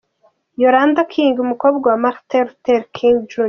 Yolanda King, umukobwa wa Martin Luther King, Jr.